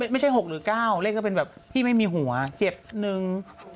ไม่ใช่๖หรือ๙เลขก็เป็นแบบพี่ไม่มีหัวเจ็บหนึ่ง